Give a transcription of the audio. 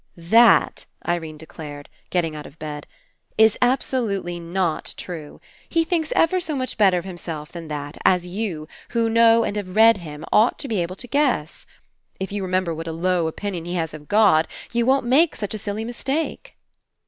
"That," Irene declared, getting out of bed, "is absolutely not true. He thinks ever so much better of himself than that, as you, who know and have read him, ought to be able to guess. If you remember what a low opinion he 158 FINALE has of God, you won't make such a silly mis take."